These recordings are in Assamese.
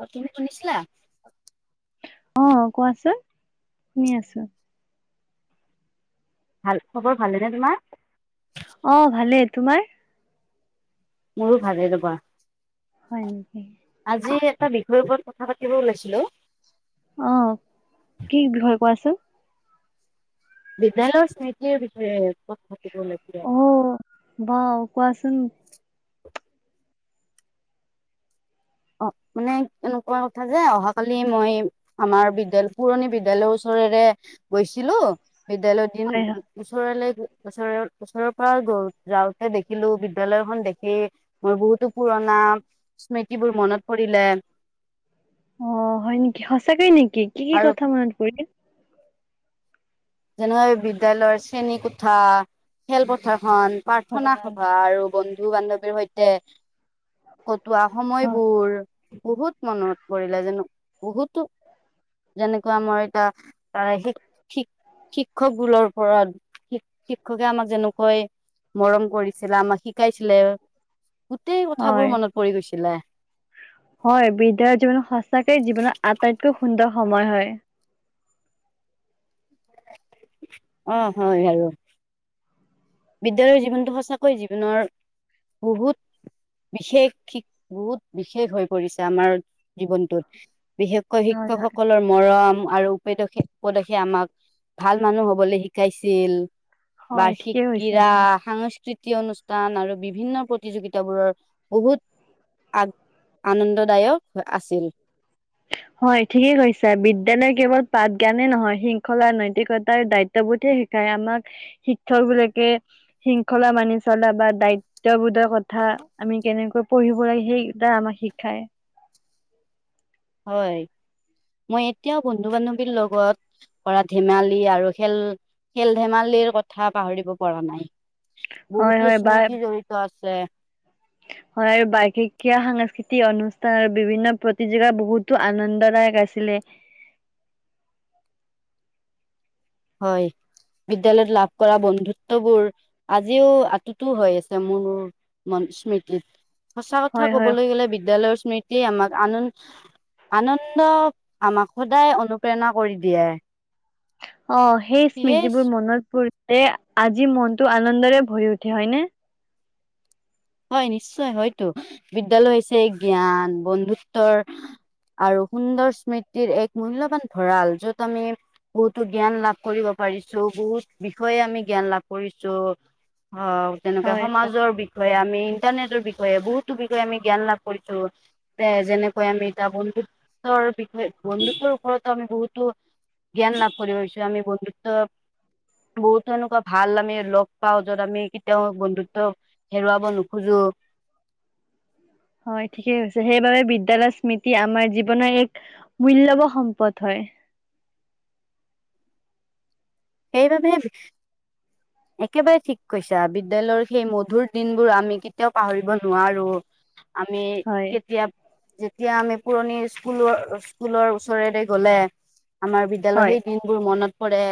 অ, তুমি শুনিছিলা? অ, কোৱাচোন, শুনি আছো। ভাল খবৰ ভালেনে তোমাৰ? অ ভালে, তোমাৰ? মোৰো ভালে ৰবা হয় নেকি আজি এটা বিষয়ৰ ওপৰত কথা পাতিব ওলাইছিলো অ, কি বিষয় কোৱাচোন? বিপিএলৰ স্থিতি বিষয়ে। কথা পাতিব ওলাইছিলো আৰু। অ, বাও, কোৱাচোন? অ, মানে কেনেকুৱা কথা যে অহাকালি মই আমাৰ বিদ্যালয়, পুৰণি বিদ্যালয়ৰ ওচৰেৰে গৈছিলো বিদ্যালয়ৰ দিন হয় হয় ওচৰলে ওচৰৰ-ওচৰৰ পৰা গ যাওঁতে দেখিলো, বিদ্যালয়খন দেখি মোৰ বহুতো পুৰণা স্মৃতি যিবোৰ মনত পৰিলে অ, হয় নেকি, সঁচাকৈ নেকি? কি-কি-কি, আৰু কথা মনত পৰিলে? যেনেকৈ বিদ্যালয়ৰ শ্ৰেণী কোঠা, খেলপথাৰ খন, প্ৰাৰ্থনা হয় সভা আৰু বন্ধ বন্ধু-বান্ধৱীৰ সৈতে কটোৱা হয় সময়বোৰ বহুত মনত পৰিলে, জানো বহুতো, যেনেকুৱা আমাৰ এতিয়া তাৰে শিক- শিক শিক্ষক বোৰৰ ওপৰত, শ শিক্ষকে আমাক যেনেকৈ মৰম কৰিছিলে, আমাক শিকাইছিলে, গোটেই হয় কথাবোৰ মনত পৰি গৈছিলে। হয়, বিদ্যা জীৱনত সঁচাকৈয়ে জীৱনৰ আটাইতকৈ সুন্দৰ সময় হয় অ হয় আৰু বিদ্যালয়ৰ জীৱনটো সঁচাকৈ জীৱনৰ বহুত বিশেষ বহুত বিশেষ হৈ পৰিছে আমাৰ জীৱনটোত বিশেষকৈ হয় হয় শিক্ষকসকলৰ মৰম আৰু উপদেশে উপদেশে আমাক ভাল মানুহ হবলৈ শিকাইছিল হয় ঠিকে ক্ৰীয়া সংস্কৃত তি অনুষ্ঠান আৰু বিভিন্ন প্ৰতিযোগিতাবোৰৰ বহুত আ আনন্দদায়ক আছিল হয় ঠিকে কৈছা বিদ্যালয় কেৱল পাঠ জ্ঞানে নহয় শৃংখলা নৈতিকতাৰ দায়িত্ববোধহে শিকায় আমাক শিক্ষক বিলকে শৃংখলা মানি চলা বা দায়িত্ববোধৰ কথা আমি কেনেকৈ পঢ়িব লাগে সেইটা আমাক শিকায় হয় মই এতিয়াও বন্ধু বান্ধৱীৰ লগত কৰা ধেমালি আৰু খেল খেল ধেমালিৰ কথা পাহৰিব পৰা নাই হয় বহুতো হয় বা স্মৃতি জড়িত আছে লে হয় আৰু বাৰ্ষিকীয়া সাংস্কৃতিক অনুষ্ঠান আৰু বিভিন্ন প্ৰতিযোগিতা বহুতো আনন্দদায়ক আছিলে হয় বিদ্যালয়ত লাভ কৰা বন্ধুত্ববোৰ আজিও আততো হৈ আছে মোৰ মন স্মৃতিত সঁচা কথা হয় হয় ক'বলৈ গ'লে বিদ্যালয়ৰ স্মৃ তিয়ে আমাক আনন্দ আনন্দ আমাক সদায় অনুপ্ৰেৰণা কৰি দিয়ে অ সেই সেয়ে স্মৃতিবোৰ মনত পৰি তে আজি মনটো আনন্দৰে ভৰি উঠে হয়নে হয় নিশ্চয় হয়তো বিদ্যালয় হৈছে জ্ঞান বন্ধুত্বৰ আৰু সুন্দৰ স্মৃতিৰ এক মূল্যৱান ভঁৰাল যত আমি বহুতো জ্ঞান লাভ কৰিব পাৰিছো বহুত বিষয়ে আমি জ্ঞান লাভ কৰিছো অ তেনেকে হয় সমাজৰ বি আমি ইণ্টাৰনেটৰ বিষয়ে বহুতো বিষয়ে আমি জ্ঞান লাভ কৰিছো এ যেনেকৈ আমি তাৰ বন্ধুত্বৰ বিষয়ে বন্ধুত্বৰ ওপৰতো আমি বহুতো জ্ঞান লাভ কৰি আহছো আমি বন্ধুত্ব বহুতো এনেকোৱা ভাল আমি লগ পাওঁ যত আমি কেতিয়াও বন্ধুত্ব হেৰুৱাব নোখোজো হয় ঠিকেই কৈছে সেইবাবে বিদ্যয়ালয়ৰ স্মৃতি আমাৰ জীৱনৰ এক মূল্যবান সম্পদ হয় সেইবাবে একেবাৰে ঠিক কৈছা বিদ্যায়ালয়ৰ সেই মধুৰ দিনবোৰ আমি কেতিয়াও পাহৰিব নোৱাৰো আমি হয় কেতিয়া যেতিয়া আমি পুৰণি স্কুলৰ স্কুলৰ ওচৰেৰে গ'লে আমাৰ বিদ্যালয়ৰ হয় সেই দিনবোৰ মনত পৰে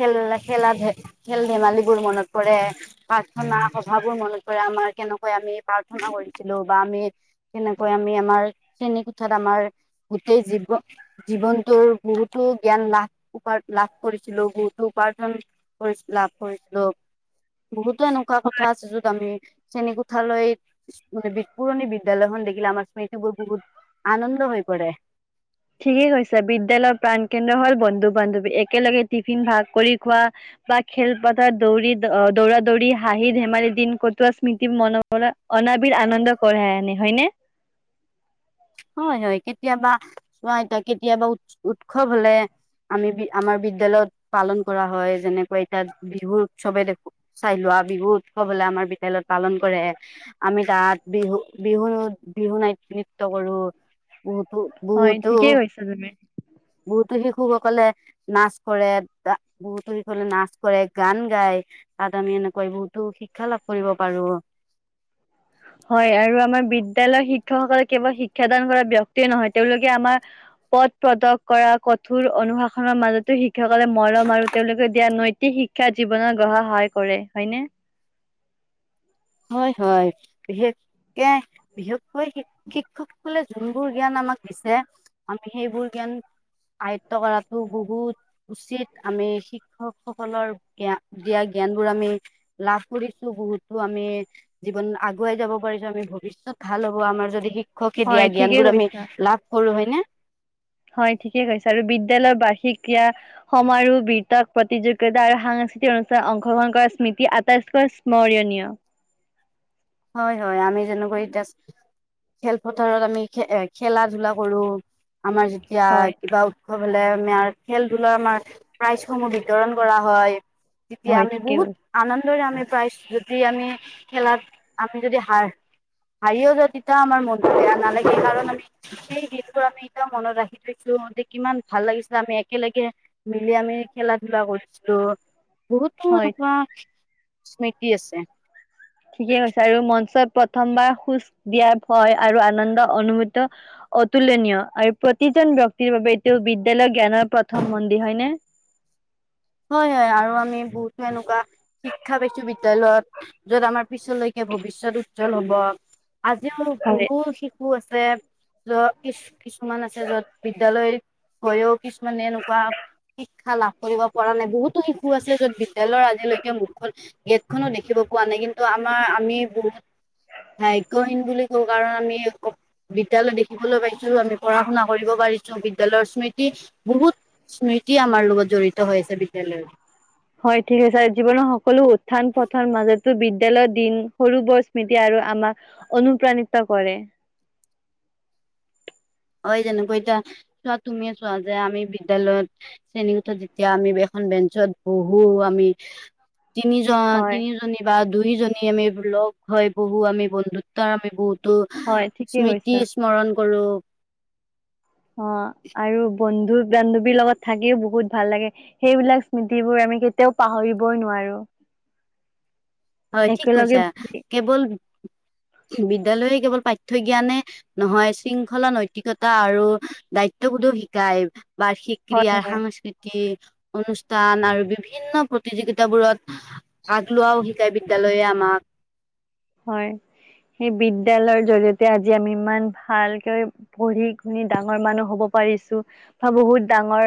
খেল আ খেলা ধে খেল ধেমালিবো মনত পৰে প্ৰাৰ্থনা সভাবোৰ মনত পৰে আমাৰ কেনেকৈ আমি প্ৰাৰ্থনা কৰিছিলো বা আমি কেনেকৈ আমি আমাৰ শ্ৰেণী কোঠাত আমাৰ গোটেই জীৱ জীৱনটোৰ বহুতো জ্ঞান লাভ উপ লাভ কৰিছিলো বহুতো উপাৰ্জন কৰিছিলো লাভ কৰিছিলো বহুতো এনেকোৱা কথা আছে যত আমি শ্ৰেণী কোঠালৈ বিবি পুৰণি বিদ্যালয়খন দেখিলে আমাৰ স্মৃতিবোৰ বহুত আনন্দ হৈ পৰে ঠিকেই কৈছে বিদ্যালয়ৰ প্ৰাণ কেন্দ্ৰ হল বন্ধু বান্ধৱী একেলগে টিফিন ভাগ কৰি খোৱা বা খেলপথাৰ দৌৰি দৌৰা দৌৰি হাঁহি ধেমালি দিন কটোৱা স্মৃতি মনৰ পৰা অনাবিল আনন্দ কঢ়াই আনে হয়নে হয় হয় কেতিয়াবা চোৱা এতিয়া কেতিয়াবা উ উৎসৱ হলে আমি বি আমাৰ বিদ্যালয়ত পালন কৰা হয় যেনেকোৱা এতিয়া বিহু উৎসৱে দেখো চাই লোৱা বিহু উৎসৱ হলে আমাৰ বিদ্যালয়ত পালন কৰে আমি তাত বিহু বিহু বিহু নৃত্য কৰো বহুতো হয় বহুতো ঠিকেই কৈছা তুমি। বহুতো সেই শিশুসকলে নাচ কৰে তা বহুতো সিকলে নাচ কৰে গান গায় তাত আমি এনেকুৱা বহুতো শিক্ষা লাভ কৰিব পাৰো হয় আৰু আমাৰ বিদ্যালয় শিক্ষকসকলে কেৱল শিক্ষাদান কৰা ব্যক্তিয়ে নহয়, তেওঁলোকে আমাৰ পথ প্ৰদক কৰা কঠোৰ অনুশাসনৰ মাজতো শিক্ষকসকলে মৰম আৰু তেওঁলোকে দিয়া নৈতিক শিক্ষা জীৱনত গঢ়া সহায় কৰে হয়নে হয় হয় বিশেষকে বিশেষকৈ শিক শিক্ষকসকলে যোনবোৰ জ্ঞান আমাক দিছে আমি সেইবোৰ জ্ঞান আয়ত্ব কৰাতো বহুত উচিত আমি শিক্ষক সকলৰ জ্ঞা দিয়া জ্ঞান বোৰ আমি লাভ কৰিছো বহুতো আ আমি জীৱনত আগুৱাই যাব পাৰিছো আমি ভৱিষ্যত ভাল হ'ব আমাৰ যদি শিক শিক্ষকে হয় দিয়া ঠিকে জ্ঞান বোৰ আমি কৈছা লাভ কৰো হয়নে হয় ঠিকে কৈছা আৰু বিদ্যালয়ৰ বাৰ্ষিক ক্ৰীয়া সমাৰোহ বিতক প্ৰতিযোগিতা আৰু সাংস্কৃতিক অনুষ্ঠান অংশগ্ৰহণ কৰাৰ স্মৃতি আটাইতকৈ স্মৰণীয় হয় হয় আমি যেনেকৈ এতিয়া খেলপথাৰত আমি খে এ খেলা ধূলা কৰো আমাৰ যেতিয়া হয় কিবা উৎসৱ বোলে আমাৰ খেল ধুলৰ আমাৰ প্ৰাইজ সমূহ বিতৰণ কৰা হয় তেতিয়া হয় আমি ঠিকে বহুত কৈছা। আনন্দ ৰে আমি প্ৰাইজ যদি আমি খেলাত আমি যদি হাৰ হাৰিও যদি যাওঁ তেতিয়া আমাৰ মনটো বেয়া নালাগে কাৰণ আমি সেই গীতবোৰ আমি এতিয়াও মনত ৰাখি থৈছো যে কিমান ভাল লাগিছে আমি একেলগে মিলি আমি খেলা ধূলা কৰিছিলো গুৰুত্ব হয় এতিয়া স্মৃতি আছে কিয় বিচাৰিম মঞ্চত প্ৰথমবাৰ সুখ দিয়া ভয় আৰু আনন্দ অনুভূত অতুলনীয় আৰু প্ৰতিজন ব্যক্তিৰ বাবে এইটো বিদ্যালয় জ্ঞানৰ প্ৰথম মন্দিৰ হয়নে হয় হয় আৰু আমি বহুতো এনেকুৱা শিক্ষা পাইছো বিদ্যালয়ত যত আমাৰ পিছলৈকে ভৱিষ্যত উজ্জ্বল হব আজি মোৰ হয় পুৰু ষি আছে যত কিছ কিছুমান আছে য'ত বিদ্যালয় গৈও কিছুমানে এনেকুৱা শিক্ষা লাভ কৰিব কৰা নাই বহুতো শিশু আছে য'ত বিদ্যলয়ৰ আজিলৈকে মুখখন গেটখনো দেখিব পোৱা নাই কিন্তু আমাৰ আমি বহুত ভাগ্যহীন বুলি কওঁ কাৰণ আমি বিদ্যালয় দেখিবলৈ পাইছো আমি পঢ়া শুনা কৰিব পাৰিছো বিদ্যলয়ৰ স্মৃতি বহুত স্মৃতি আমাৰ লগত জড়িত ত হৈছে বিদ্যালয়ত হয় ঠিকে কৈছা জীৱনৰ সকলো থান পথান মাজত তো বিদ্যালয়ৰ দিন সৰু বৰ স্মৃতি আৰু আমাক অনুপ্ৰাণিত কৰে হয় যেনেকৈ এতিয়া চোৱা তুমিয়ে চোৱা যে আমি বিদ্যালয়ত শ্ৰেণীকোঠত যেতিয়া আমি এখন বেঞ্চত বহো আমি তিনিজন হয় তিনিজনী বা দুই দুজনী আমি লগ হয় বহু আমি বন্ধুত্বৰ আমি বহুত টো হয় ঠিকে স্মৃতি কৈছা স্মৰণ কৰোঁ অ আৰু বন বন্ধু বান্ধৱীৰ লগত থাকিও বহুত ভাল লাগে সেইবিলাক স্মৃতিবোৰ আমি কেতিয়াও পাহৰিবই নোৱাৰো হয় ঠিক একেলগে কৈছা কেৱল বিদ্যালয়ে কেৱল পাঠ্য জ্ঞানে নহয় শৃংখলা নৈতিকতা আৰু দায়িত্ববোধো শিকায় বা হয় সিক্ৰিয়া হয় সাংস্কৃতি অনুষ্ঠান আৰু বিভিন্ন প্ৰতিযোগিতাবোৰত ভাগ লোৱাও হি হে বিদ্যালয়ে আমাক হয় সেই বিদ্যালয়ৰ জৰিয়তে আজি আমি ইমান ভালকে পঢ়ি শুনি ডাঙৰ মানুহ হব পাৰিছো বা বহুত ডাঙৰ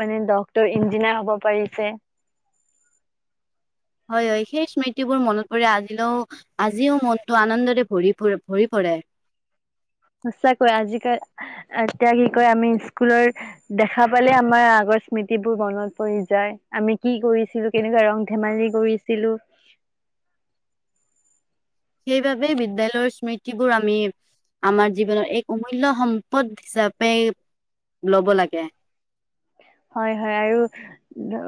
মানে ডক্টৰ ইঞ্জিনিয়াৰ হব পাৰিছে হয় হয় সেই স্মৃতিবোৰ মনত পৰি আজিলেও আজিও মনটো আনন্দৰে ভৰি ভৰি পৰে সঁচাকৈ আজ কাল এতিয়া কি কয় আমি স্কুলৰ দেখা পালে আমাৰ আগৰ স্মৃতিবোৰ মনত পৰি যায় আমি কি কৰিছিলো কেনেকুৱা ৰং ধেমালি কৰিছিলো সেইবাবে বিদ্যালয়ৰ স্মৃতিবোৰ আমি আমাৰ জীৱনৰ এক অমূল্য সম্পদ হিচাপে লব লাগে হয় হয়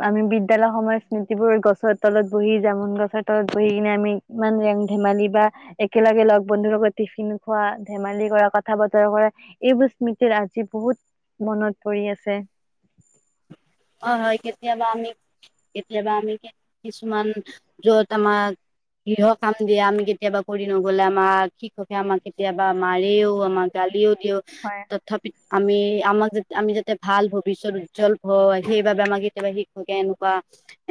আৰু বিদ্যালয় সময়ৰ স্মৃতিবোৰ গছৰ তলত বহি জামুন গছৰ তলত বহি কিনে আমি ইমান ৰং ধেমালি বা একেলগে লগ বন্ধুৰ লগত টিফিন খোৱা ধেমালি কৰা কথা বতৰা কৰা এইবোৰ স্মৃতিত আজি বহুত মনত পৰি আছে। হয় হয় কেতিয়াবা আমি কেতিয়াবা আমি কিছুমান যত আমাক গৃহ কাম দিয়ে আমি কেতিয়াবা কৰি নগলে আমাক শিক্ষকে আমাক কেতিয়াবা মাৰেও আমাক গালিও হয় তথাপি আমি। আমাক যে আমি যাতে ভাল ভৱিষ্যত উজ্জ্বল হয় সেইবাবে আমাক কেতিয়াবা শিক্ষকে এনেকুৱা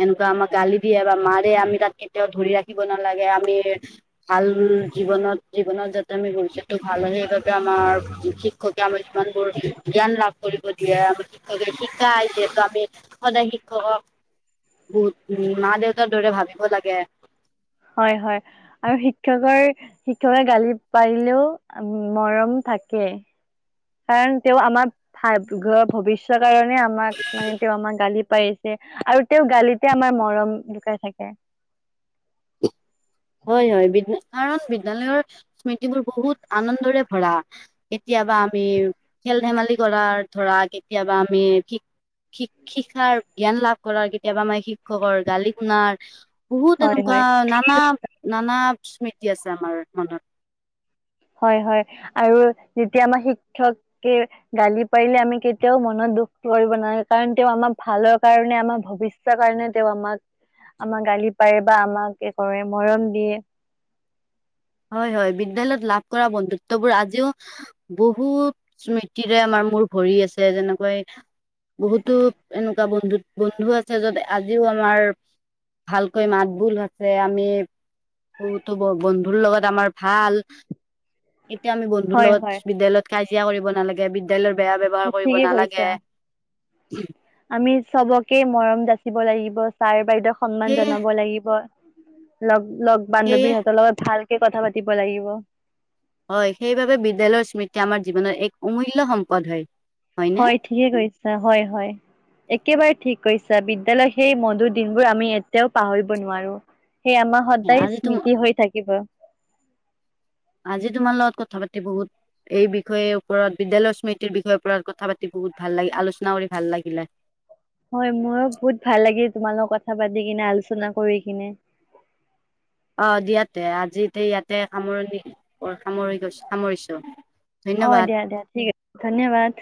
এনেকুৱা আমাক গালি দিয়ে বা মাৰে আমি তাত কেতিয়াও ধৰি ৰাখিব নালাগে আমি ভাল জীৱনত জীৱনত যাতে আমি ভৱষয়টো ভাল হয় সেইবাবে আমাৰ শিক্ষকে আমাৰ যিমানবোৰ জ্ঞান লাভ কৰিব দিয়ে আম শিক্ষকে শিকাই দিয়ে আমি সদায় শিক্ষকক বহুত উ মা দেউতাৰ দৰে ভাবিব লাগে। হয় হয় আৰু শিক্ষকৰ শিক্ষকে গালি পাৰিলেও মৰম থাকে। কাৰণ তেওঁ আমাৰ ভ ঘৰ ভৱিষ্যতৰ কাৰণে আমাক মানে তেওঁ আমাক গালি পাৰিছে আৰু তেওঁ গালিতে আমাৰ মৰম লুকাই থাকে। হয় হয় বিদ্ কাৰণ বিদ্যালয়ৰ স্মৃতিবোৰ বহুত আনন্দৰে ভৰা কেতিয়াবা আমি খেল ধেমালি কৰাাৰ ধৰা কেতিয়াবা আমি শ শ শিক্ষাৰ জ্ঞান লাভ কৰাৰ কেতিয়াবা আমাৰ শিক্ষকৰ গালি শুনাৰ বহুত হয় হয়। এনেকুৱা নানা নানা স্মৃতি আছে আমাৰ মনত হয় হয় আৰু যেতিয়া আমাৰ শিক্ষকে গালি পাৰিলে আমি কেতিয়াও মনত দুখ কৰিব নালাগে কাৰণ তে আমাৰ ভালৰ কাৰণে আমাৰ ভৱিষ্যৰ কাৰণে তে আমাক আমাক গালি পাৰে বা আমাক কি কৰে মৰম দিয়ে। হয় হয় বিদ্যালয়ত লাভ কৰা বন্ধুত্ববোৰ আজিও বহুত স্মৃতিৰে আমাৰ মোৰ ভৰি আছে যেনেকৈ বহুতো এনেকুৱা বন্ধু বন্ধু আছে যত আজিও আমাৰ ভালকৈ মাত বোল আছে আমি বহুতো ব বন্ধুৰ লগত আমাৰ ভাল। এতিয়া আমি বন্ধুু হয় লগত হয় বিদ্যালয়ত খাই কৰিব নালাগে বিদ্যালয়ৰ। বেয়া ব্যৱহাৰ কৰিব ঠিকে নালাগে। কৈছা আমি চবকে মৰম যাচিব লাগিব ছাৰ বাইদেউ সন্মান সেয়ে জনাব লাগিব। লগ লগ সেয়ে বান্ধবীহঁতৰ লগত ভাল কথা পাতিব লাগিব। হয় সেইবাবে বিদ্যালয়ৰ স্মৃতি আমাৰ জীৱনৰ এক অমূল্য সম্পদ হয় হয়নে হয় ঠিকে কৈছা হয় হয় একেবাৰে ঠিক। কৈছা বিদ্যালয়ৰ সেই মধুৰ দিনবোৰ আমি এতিয়াও পাহৰিব নোৱাৰো। সেই আমাৰ সদায় আজি তো স্মৃতি হৈ থাকিব আজি তোমাৰ লগত কথা পাতি বহুত এই বিষয়ে ওপৰত বিদ্যালয়ৰ স্মৃতিৰ বিষয়ে ওপৰত কথা পাতি বহুত ভাল লাগিল আলোচনা কৰি ভাল লাগিলে। হয় মোৰো বহুত ভাল লাগিল তোমাল লগত কথা পাতি কিনে আলোচনা কৰি কিনে। অ দিয়াতে আজি ইয়াতে সামৰণি সামৰি গৈছো সামৰিছো অ ধন্যবাদ। দিয়া দিয়া ঠিক আছে ধন্যবাদ।